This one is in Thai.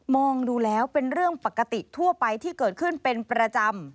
ดูแล้วเป็นเรื่องปกติทั่วไปที่เกิดขึ้นเป็นประจำ